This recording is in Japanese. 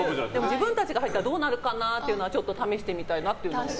自分たちが入ったらどうなるかなっていうのはちょっと試してみたいなって思います。